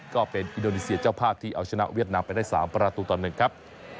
ก็เป็นอินโดนีเซียเจ้าภาพที่เอาชนะเวียดนามไปได้๓ประตูต่อ๑ครับ